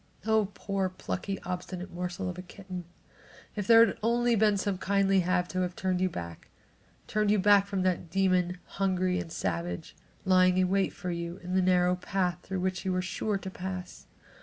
Oh, poor, plucky, obstinate morsel of a kitten! If there had only been some kindly hand to have turned you back; turned you back from that demon, hungry and savage, lying in wait for you in the narrow path through which you were sure to pass!